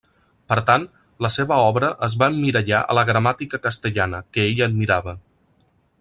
Per tant, la seva obra es va emmirallar a la gramàtica castellana, que ell admirava.